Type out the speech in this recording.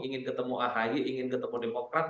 ingin ketemu ahy ingin ketemu demokrat